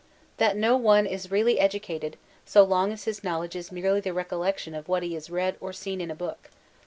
That no one is really educated, so long as his knowledge is merely the recollection of what he has read or seen in a book.